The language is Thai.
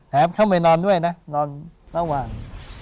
เข้าไปนอนด้วยนะนอนระหว่าง